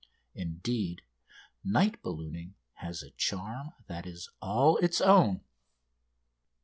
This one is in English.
Indeed, night ballooning has a charm that is all its own.